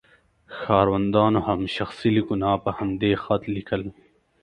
ښاروندانو هم شخصي لیکونه په همدې خط لیکل.